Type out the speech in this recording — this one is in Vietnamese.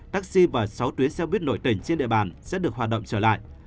taxi và sáu tuyến xe buýt nổi tình trên địa bàn sẽ được hoạt động trở lại